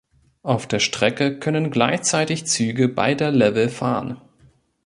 Auf der Strecke können gleichzeitig Züge beider Level fahren.